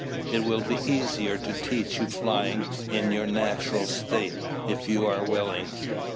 It will be easier to teach you flying in your natural state if you are willing.